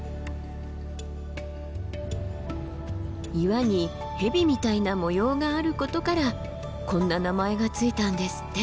岩に蛇みたいな模様があることからこんな名前が付いたんですって。